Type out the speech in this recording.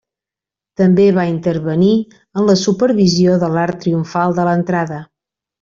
També va intervenir en la supervisió de l'arc triomfal de l'entrada.